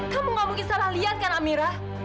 kamu gak mungkin salah lihat kan amirah